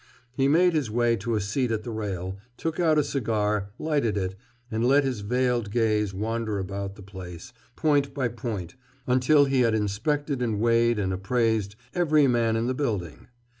He made his way to a seat at the rail, took out a cigar, lighted it, and let his veiled gaze wander about the place, point by point, until he had inspected and weighed and appraised every man in the building.